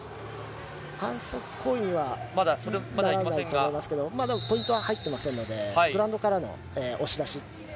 反則行為にはならないと思いますけど、ポイントは入っていませんのでグラウンドからの押し出し。